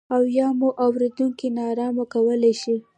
او یا مو اورېدونکي نا ارامه کولای شي.